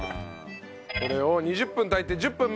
これを２０分炊いて１０分蒸らす。